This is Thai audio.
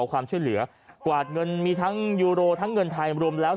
ความช่วยเหลือกวาดเงินมีทั้งยูโรทั้งเงินไทยรวมแล้ว